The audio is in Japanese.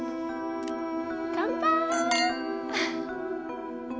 乾杯！